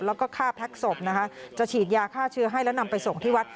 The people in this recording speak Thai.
แล้วก็ฆ่าแพ็กศพนะคะจะฉีดยาฆ่าเชื้อให้แล้วนำไปส่งที่วัด